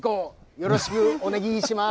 よろしくおねぎいします。